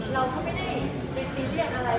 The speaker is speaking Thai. เราก็ไม่ได้ไปซีเรียสอะไร